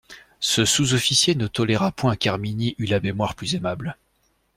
Ce sous-officier ne toléra point qu'Herminie eût la mémoire plus aimable.